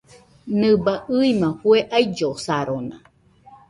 Nɨbaɨ ɨima fue aillosarona.